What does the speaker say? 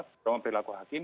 promo perilaku hakim